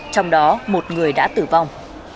trong đó một người đã tử vong